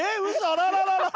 あらららら。